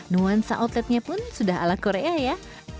nuansa outletnya pun sudah ala korea ya